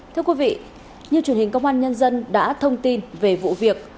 thưa quý vị như truyền hình công an nhân dân đã thông tin về vụ việc